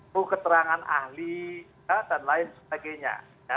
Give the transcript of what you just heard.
bu keterangan ahli dan lain sebagainya